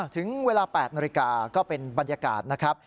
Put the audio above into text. ถึงเวลา๘นาฬิกาก็เป็นบรรยากาศนะครับ